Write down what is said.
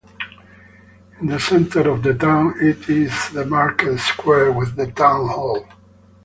In the centre of the town is the Market Square with the Town Hall.